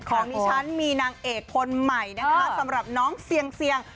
ของดิฉันมีนางเอกคนใหม่นะคะสำหรับน้องเสี่ยงเซียง